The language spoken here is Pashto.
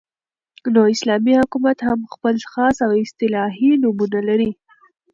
، نو اسلامي حكومت هم خپل خاص او اصطلاحي نومونه لري